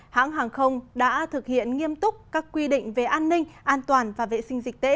hãng hàng không đã thực hiện nghiêm túc các quy định về an ninh an toàn và vệ sinh dịch tễ trong suốt chuyến bay